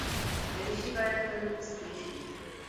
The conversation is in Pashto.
دریشي باید تل استری شي.